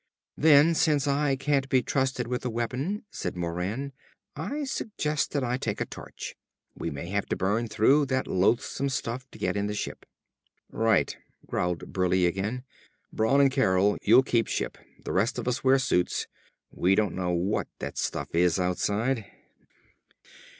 "Then since I can't be trusted with a weapon," said Moran, "I suggest that I take a torch. We may have to burn through that loathesome stuff to get in the ship." "Right," growled Burleigh again. "Brawn and Carol, you'll keep ship. The rest of us wear suits. We don't know what that stuff is outside."